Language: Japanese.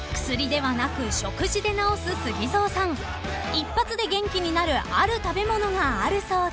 ［一発で元気になるある食べ物があるそうで］